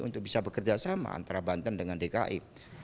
untuk bisa bekerja sama antara banten dengan dki